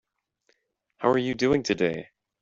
How are you doing today?